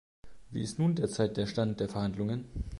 Wie ist nun derzeit der Stand der Verhandlungen?